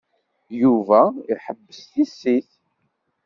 Yuba iḥebbes tissit.